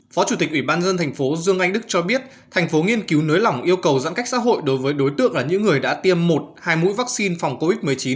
phó chủ tịch ubnd tp hcm cho biết thành phố nghiên cứu nới lỏng yêu cầu giãn cách xã hội đối với đối tượng là những người đã tiêm một hai mũi vaccine phòng covid một mươi chín